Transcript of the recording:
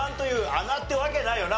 「あな」ってわけないよな？